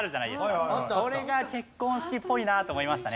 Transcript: それが結婚式っぽいなと思いましたね。